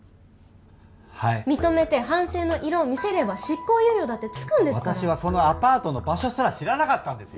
はい認めて反省の色を見せれば執行猶予だってつくんですから私はそのアパートの場所すら知らなかったんですよ